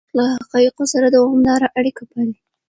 مورخ له حقایقو سره دوامداره اړیکه پالي.